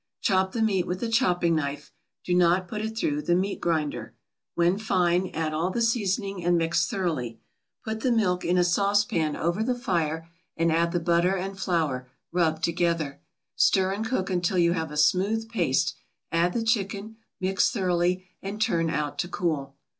Chop the meat with a chopping knife; do not put it through the meat grinder. When fine, add all the seasoning and mix thoroughly. Put the milk in a saucepan over the fire, and add the butter and flour, rubbed together. Stir and cook until you have a smooth paste, add the chicken, mix thoroughly, and turn out to cool.